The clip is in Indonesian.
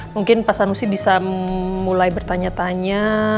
mungkin pak sanusi bisa mulai bertanya tanya